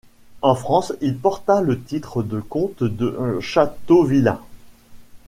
En France, il porta le titre de comte de Châteauvillain.